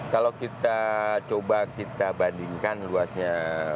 kalau kita coba kita bandingkan luasnya